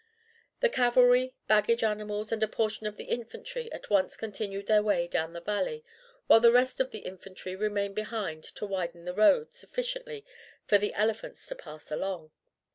The cavalry, baggage animals, and a portion of the infantry at once continued their way down the valley, while the rest of the infantry remained behind to widen the road sufficiently for the elephants to pass along.